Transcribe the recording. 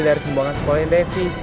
dari sembangkan sekolahnya devi